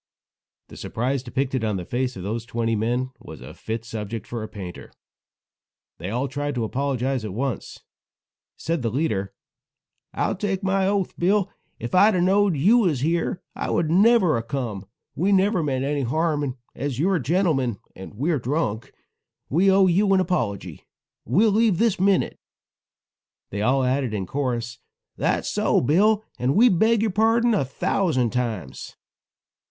The surprise depicted on the faces of those twenty men was a fit subject for a painter. They all tried to apologize at once. Said the leader: "I'll take my oath, Bill, if I'd a knowed you was here I never would a come; we never meant any harm, and as you are a gentleman, and we're drunk, we owe you an apology. We'll leave this minute." They all added in chorus: "That's so, Bill, and we beg your pardon a thousand times."